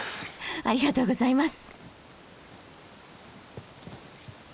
ありがとうございます。